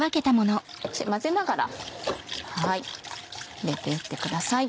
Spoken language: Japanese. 混ぜながら入れて行ってください。